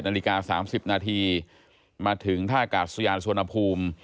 ๒๑น๓๐นมาถึงท่ากาศยานสวนภูมิ